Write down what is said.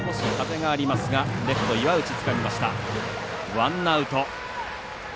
ワンアウト。